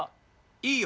いいよ。